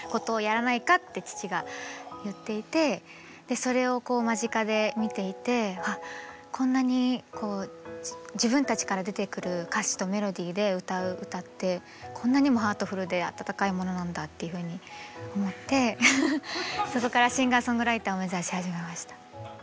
それをこう間近で見ていてこんなに自分たちから出てくる歌詞とメロディーで歌う歌ってこんなにもハートフルで温かいものなんだっていうふうに思ってそこからシンガーソングライターを目指し始めました。